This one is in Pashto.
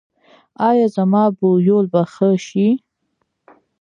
ایا زما بویول به ښه شي؟